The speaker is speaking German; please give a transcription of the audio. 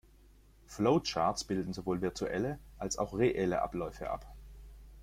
Flowcharts bilden sowohl virtuelle, als auch reelle Abläufe ab.